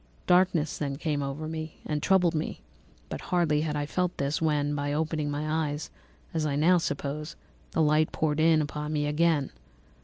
Darkness then came over me and troubled me, but hardly had I felt this when, by opening my eyes, as I now suppose, the light poured in upon me again.